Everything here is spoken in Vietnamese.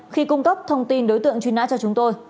khi cung cấp thông tin đối tượng truy nã cho chúng tôi